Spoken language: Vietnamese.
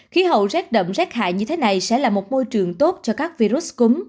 khí hậu rét đậm rét hại như thế này sẽ là một môi trường tốt cho các virus cúm